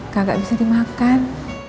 kagak bisa dimakan